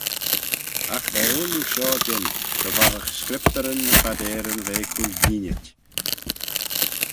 Agh va ooilley shoh jeant, dy voddagh scriptyryn ny phadeyryn ve cooilleenit.